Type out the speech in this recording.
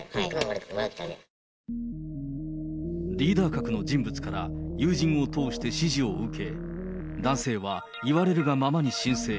リーダー格の人物から、友人を通して指示を受け、男性は言われるがままに申請。